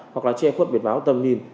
hoặc là che khuất biển báo tầm nhìn